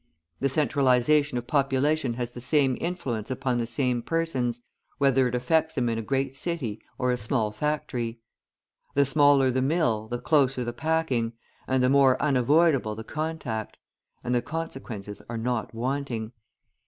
The centralisation of population has the same influence upon the same persons, whether it affects them in a great city or a small factory. The smaller the mill the closer the packing, and the more unavoidable the contact; and the consequences are not wanting.